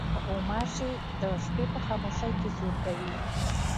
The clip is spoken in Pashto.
غوماشې د شپې په خاموشۍ کې زور کوي.